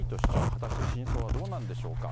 果たして真相はどうなんでしょうか。